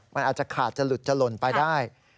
มันอาจจะขาดจะหลุดจะหล่นไปได้